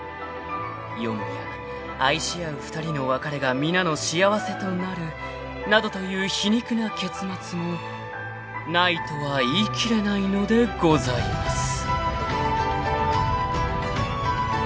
［よもや愛し合う２人の別れが皆の幸せとなるなどという皮肉な結末もないとは言い切れないのでございます］